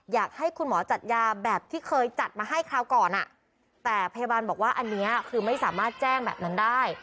อยากให้คุณหมอจัดยาแบบที่เคยจัดมาให้คราวก่อนแต่พยาบาลบอกว่าอันนี้คือไม่สามารถแจ้งแบบนั้นได้